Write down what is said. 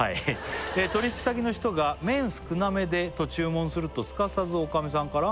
「取引先の人が」「麺少なめでと注文するとすかさず女将さんから」